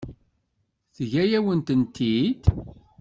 Teǧǧa-yawen-tent-id?